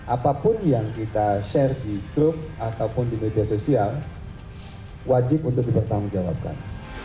apapun yang kita share di grup ataupun di media sosial wajib untuk dipertanggungjawabkan